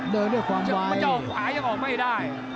เดินด้วยความเจ้าขวายังออกไม่ได้